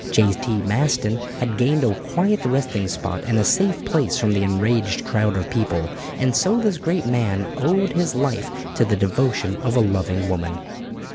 J.T. Maston had gained a quiet resting spot and a safe place from the enraged crowd of people, and so this great man owed his life to the devotion of a loving woman.